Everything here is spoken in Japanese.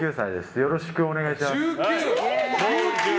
よろしくお願いします。